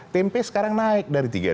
tempe sekarang naik dari tiga